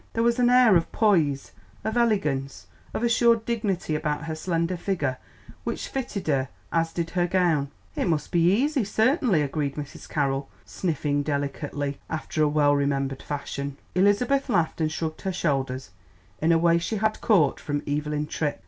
There was an air of poise, of elegance, of assured dignity about her slender figure which fitted her as did her gown. "It must be easy, certainly," agreed Mrs. Carroll, sniffing delicately, after a well remembered fashion. Elizabeth laughed and shrugged her shoulders in a way she had caught from Evelyn Tripp.